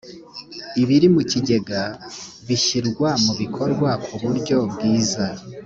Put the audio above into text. ibiri mukigega bishyirwa mu bikorwa ku buryo bwiza.